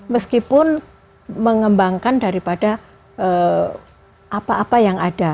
meskipun mengembangkan daripada apa apa yang ada